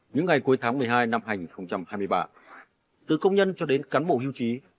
những ngày cuối tháng một mươi hai năm hai nghìn hai mươi ba từ công nhân cho đến cán bộ hưu trí